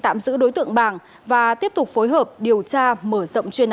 tạm giữ đối tượng bàng và tiếp tục phối hợp điều tra mở rộng chuyên án